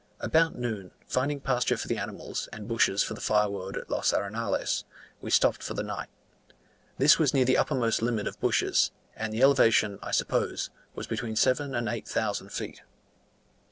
About noon, finding pasture for the animals and bushes for firewood at Los Arenales, we stopped for the night. This was near the uppermost limit of bushes, and the elevation, I suppose, was between seven and eight thousand feet.